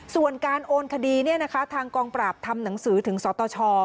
ส่วนการโอนคดีทางกองปราบทำหนังสือถึงสตช